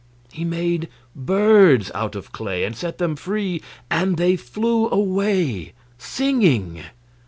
He made birds out of clay and set them free, and they flew away, singing.